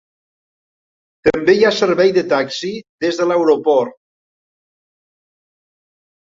També hi ha servei de taxi des de l'aeroport.